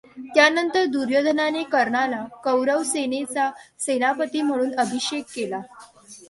त्यानंतर दुर्योधनाने कर्णाला कौरवसेनेचा सेनापती म्हणून अभिषेक केला.